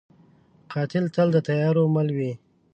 قاتل تل د تیارو مل وي